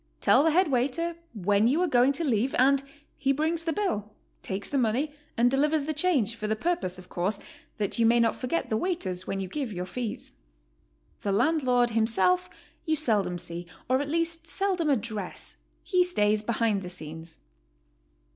Tell the head waiter when you are going to leave and he brings the bill, takes the money, and delivers the change, for the purpose, of course, that you may not forget the waiters when you give your fees. The landlord himself you seldom see, or at least seldom address; he stays behind the scenes.